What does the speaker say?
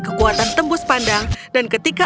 kekuatan tembus pandang dan ketika